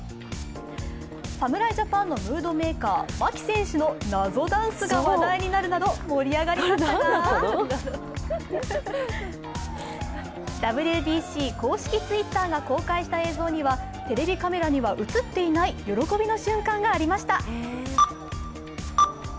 侍ジャパンのムードメーカー、牧選手の謎ダンスが話題になるなど大盛り上がりとなりましたがＷＢＣ公式Ｔｗｉｔｔｅｒが公開した映像にはテレビカメラには映っていない喜びの瞬間がありました。